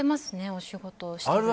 お仕事をしている。